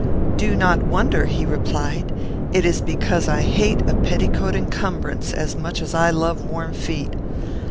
"'Do not wonder,' he replied; 'it is because I hate a petticoat encumbrance as much as I love warm feet.